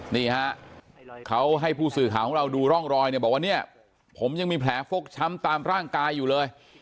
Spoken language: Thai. นี่ฮะเขาให้ผู้สื่อข่าวของเราดูร่องรอยเนี่ยบอกว่าเนี่ยผมยังมีแผลฟกช้ำตามร่างกายอยู่เลย